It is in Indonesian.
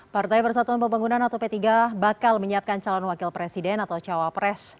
partai persatuan pembangunan atau p tiga bakal menyiapkan calon wakil presiden atau cawapres